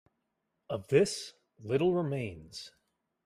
Of this little remains.